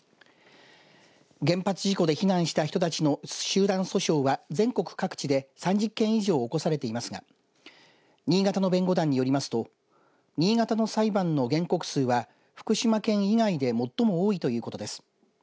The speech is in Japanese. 原発事故で避難した人たちの集団訴訟は全国各地で３０件以上起こされていますが新潟の弁護団によりますと新潟の裁判の原告数は福島県以外で最も多いということです。